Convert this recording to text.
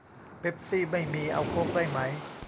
เป็ปซี่ไม่มี เอาโค้กได้ไหม